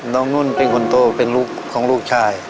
นุ่นเป็นคนโตเป็นลูกของลูกชาย